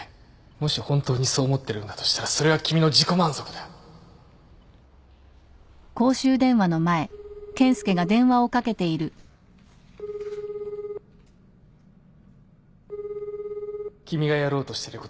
もし本当にそう思ってるんだとしたらそれは君の自己満足だ☎君がやろうとしてることはしょせん偽善だ。